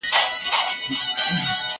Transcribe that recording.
زه له سهاره د سبا لپاره د يادښتونه بشپړوم!